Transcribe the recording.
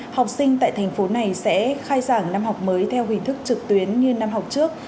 học sinh tại thành phố này sẽ khai giảng năm học mới theo hình thức trực tuyến như năm học trước